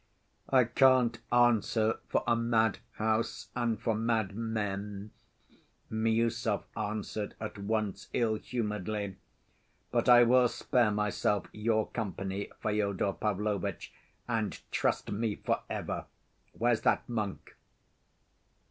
"I can't answer for a madhouse and for madmen," Miüsov answered at once ill‐humoredly, "but I will spare myself your company, Fyodor Pavlovitch, and, trust me, for ever. Where's that monk?"